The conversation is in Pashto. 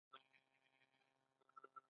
آیا د پښتنو په متلونو کې ډیر حکمت پروت نه دی؟